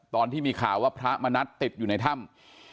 ตอนที่มีข่าวว่าพระมณัฐติดอยู่ในถ้ำ